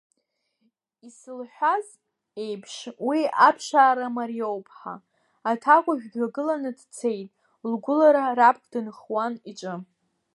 Исылҳәаз еиԥш, уи аԥшаара мариоп ҳа, аҭакәажә дҩагыланы дцеит лгәылара раԥк дынхуан иҿы.